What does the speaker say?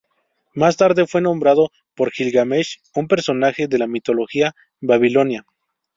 Más tarde fue nombrado por Gilgamesh, un personaje de la mitología babilonia.